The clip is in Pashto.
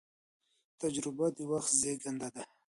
تجربه د وخت زېږنده ده.